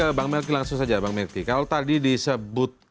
apa anyone tinganing untuk ingklni tahu